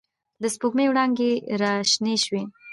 د سپوږ مۍ وړانګې را شنې شوې